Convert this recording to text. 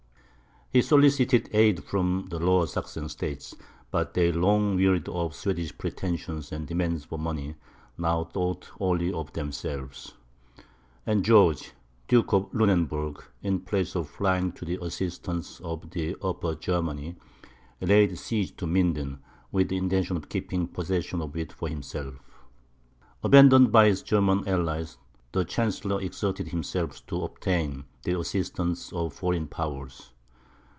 He solicited aid from the Lower Saxon States; but they, long wearied of the Swedish pretensions and demands for money, now thought only of themselves; and George, Duke of Lunenburg, in place of flying to the assistance of Upper Germany, laid siege to Minden, with the intention of keeping possession of it for himself. Abandoned by his German allies, the chancellor exerted himself to obtain the assistance of foreign powers.